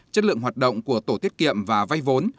chất lượng hoạt động của tổ tiết kiệm và vay vốn